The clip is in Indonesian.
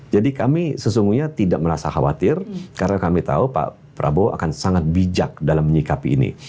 jadi kami sesungguhnya tidak merasa khawatir karena kami tahu pak prabowo akan sangat bijak dalam menyikapi ini